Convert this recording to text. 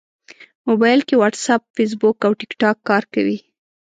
موبایل کې واټساپ، فېسبوک او ټېکټاک کار کوي.